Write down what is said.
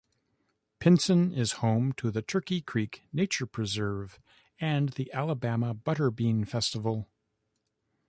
Pinson is home to the Turkey Creek Nature Preserve and the Alabama Butterbean Festival.